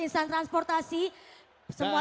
insan transportasi semua